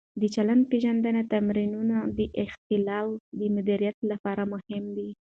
د چلند-پېژندنې تمرینونه د اختلال د مدیریت لپاره مهم دي.